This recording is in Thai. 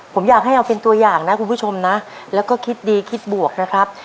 ผมอยากให้เอาเป็นตัวอย่างนะคุณผู้ชมนะแล้วก็คิดดีคิดบวกนะครับ